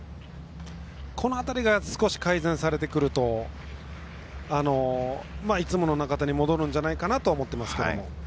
この辺りが少し改善されてくるといつもの中田に戻るんじゃないかと思っています。